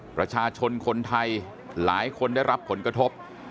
ประชาชนคนไทยหลายคนได้รับผลกระทบ